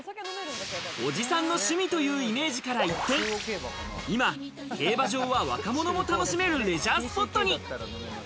おじさんの趣味というイメージから一転、今、競馬場は若者も楽しめるレジャースポットに。